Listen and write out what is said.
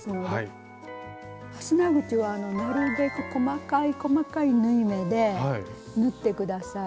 ファスナー口はなるべく細かい細かい縫い目で縫って下さい。